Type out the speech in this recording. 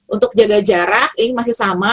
untuk jaga jarak ini masih sama